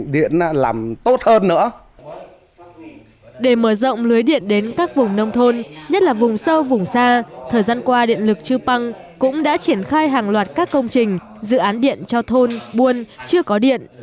để mở rộng lưới điện đến các vùng nông thôn nhất là vùng sâu vùng xa thời gian qua điện lực chư păng cũng đã triển khai hàng loạt các công trình dự án điện cho thôn buôn chưa có điện